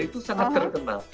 itu sangat terkenal